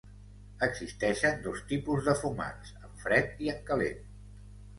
Existeixen dos tipus de fumats: en fred i en calent.